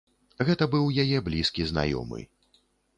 Гэта быў яе блізкі знаёмы.